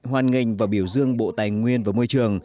hoàn ngành và biểu dương bộ tài nguyên và môi trường